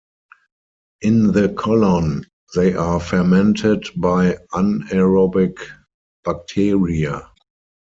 In the colon they are fermented by anaerobic bacteria.